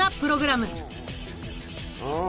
うん。